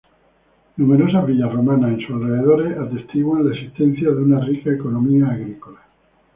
Numerosas villas romanas en sus alrededores atestiguan la existencia de una rica economía agrícola.